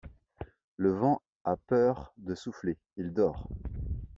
Le vent a peur de souffler, il dort.